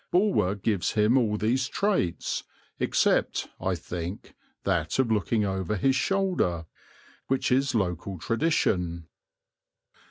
Bulwer gives him all these traits, except (I think) that of looking over his shoulder, which is local tradition.